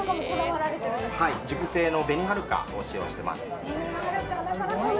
熟成の紅はるかを使用しております。